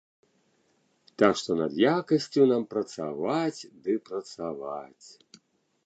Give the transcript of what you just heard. Так што над якасцю нам працаваць ды працаваць.